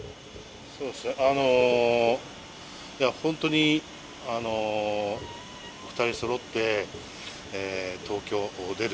本当に、２人そろって東京に出る。